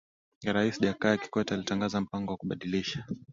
rais Jakaya Kikwete alitangaza mpango wa kubadilisha